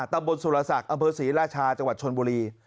ตะบนสุรษักรรมบศรีราชาจังหวัดชนบุรี